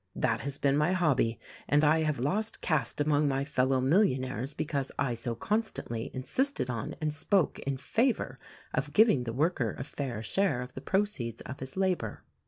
"That has been my hobby; and I have lost caste among my fellow millionaires because I so constantly insisted on and spoke in favor of giving the worker a fair share of the proceeds of his labor.